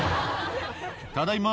ただいま。